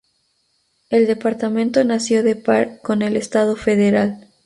El departamento nació de par con el Estado federal.